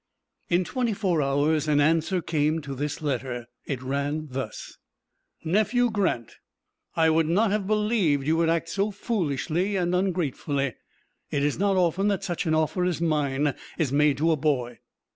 In twenty four hours an answer came to this letter. It ran thus: "NEPHEW GRANT: I would not have believed you would act so foolishly and ungratefully. It is not often that such an offer as mine is made to a boy.